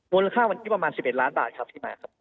มูลค่าวันนี้ประมาณ๑๑ล้านบาทครับพี่หมาครับ